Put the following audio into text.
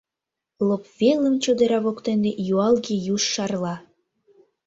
Лоп велым чодыра воктене юалге юж шарла.